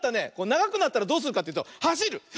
ながくなったらどうするかっていうとはしる！